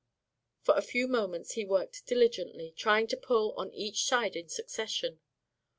For a few moments he worked diligently, trying a pull on each side in succession.